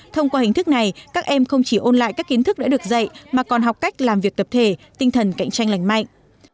thông qua hình thức này các em không chỉ ôn lại các kiến thức đã được dạy mà còn học cách làm việc tập thể tinh thần cạnh tranh lành mạnh